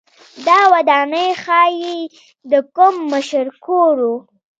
دا ودانۍ ښايي د کوم مشر کور و